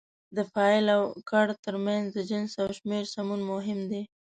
د فاعل او کړ ترمنځ د جنس او شمېر سمون مهم دی.